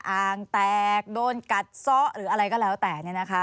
อ่างแตกโดนกัดซ้อหรืออะไรก็แล้วแต่